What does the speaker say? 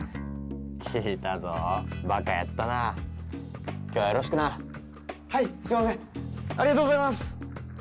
聞いたぞバカやったな今日はよろしくなはいすいませんありがとうございます！